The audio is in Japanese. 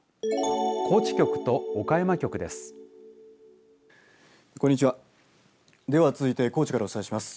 高知局と岡山局です。